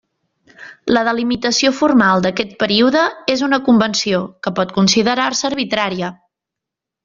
La delimitació formal d'aquest període és una convenció, que pot considerar-se arbitrària.